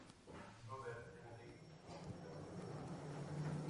Robert Henry Lawrence Jr.